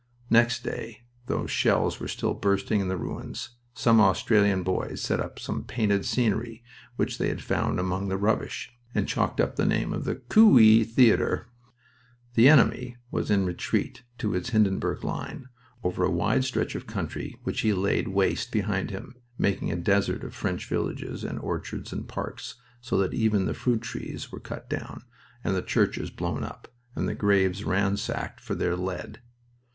Next day, though shells were still bursting in the ruins, some Australian boys set up some painted scenery which they had found among the rubbish, and chalked up the name of the "Coo ee Theater." The enemy was in retreat to his Hindenburg line, over a wide stretch of country which he laid waste behind him, making a desert of French villages and orchards and parks, so that even the fruit trees were cut down, and the churches blown up, and the graves ransacked for their lead.